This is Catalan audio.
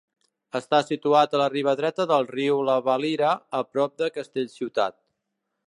Està situat a la riba dreta del riu la Valira, a prop de Castellciutat.